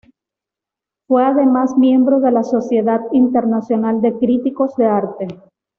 Fue además miembro de la Sociedad Internacional de Críticos de Arte.